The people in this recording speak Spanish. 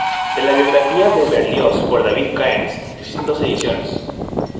De la biografía de Berlioz por David Cairns existen dos ediciones.